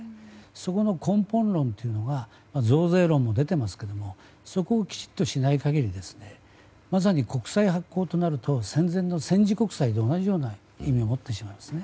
そこの根本論というのは増税論も出ていますがそこをきちんとしない限りまさに国債発行となると戦前の戦時国債と同じような意味を持ってしまうんです。